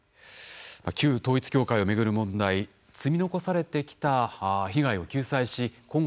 旧統一教会をめぐる問題積み残されてきた被害を救済し今後